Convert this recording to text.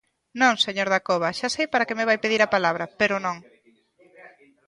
Non, señor Dacova, xa sei para que me vai pedir a palabra, pero non.